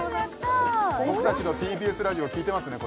僕たちのＴＢＳラジオ聴いてますね